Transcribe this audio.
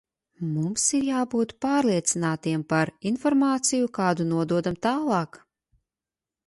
Mums ir jābūt pārliecinātiem par informāciju, kādu nododam tālāk.